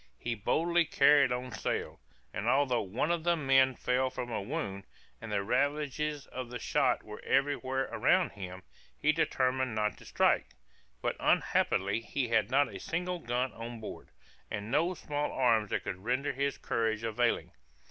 He boldly carried on sail, and although one of the men fell from a wound, and the ravages of the shot were every where around him, he determined not to strike. But unhappily he had not a single gun on board, and no small arms that could render his courage availing.